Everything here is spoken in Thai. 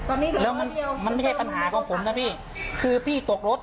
ตอนนี้เหรอแล้วมันมันไม่ใช่ปัญหาของผมนะพี่คือพี่ตกรถ